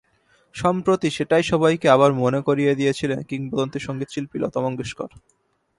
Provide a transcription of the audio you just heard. সম্প্রতি সেটাই সবাইকে আবার মনে করিয়ে দিয়েছিলেন কিংবদন্তি সংগীতশিল্পী লতা মঙ্গেশকর।